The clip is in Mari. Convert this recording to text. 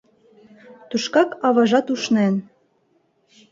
Тушкак аважат ушнен.